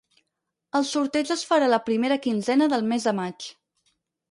El sorteig es farà la primera quinzena del mes de maig.